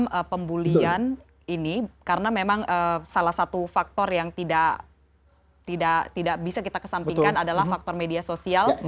melakukan pembulian ini karena memang salah satu faktor yang tidak bisa kita kesampingkan adalah faktor media sosial